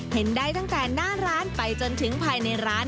เห็นได้ตั้งแต่หน้าร้านไปจนถึงภายในร้าน